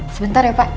sebentar ya pak